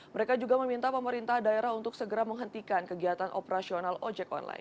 mereka juga meminta pemerintah daerah untuk segera menghentikan kegiatan operasional ojek online